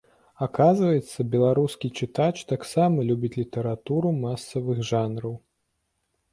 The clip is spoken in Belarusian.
Аказваецца, беларускі чытач таксама любіць літаратуру масавых жанраў.